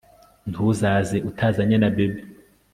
ntuzaze utazanye na bebe